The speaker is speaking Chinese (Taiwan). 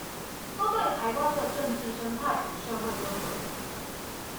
都對臺灣的政治生態與社會氛圍